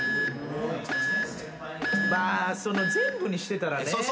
まあ全部にしてたらね。